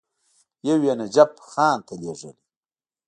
یو یې نجف خان ته لېږلی.